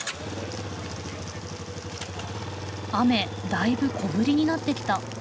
雨だいぶ小降りになってきた。